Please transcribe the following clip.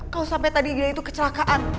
kalau sampai tadi dia itu kecelakaan